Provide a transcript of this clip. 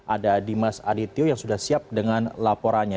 ada dimas adityo yang sudah siap dengan laporannya